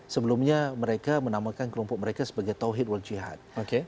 sebelumnya mereka menamakan kelompok mereka sebagai tauhid wal jihad